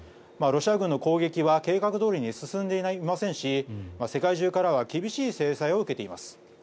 ロシア軍の攻撃は計画どおりに進んでいませんし世界中からは厳しい制裁を受けています。